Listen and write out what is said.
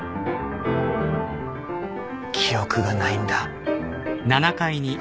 記憶がないんだ。